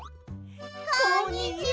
こんにちは！